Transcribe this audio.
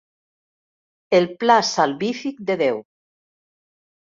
El pla salvífic de Déu.